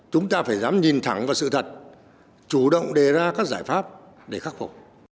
chúng ta phải dám nhìn thẳng vào sự thật chủ động đề ra các giải pháp để khắc phục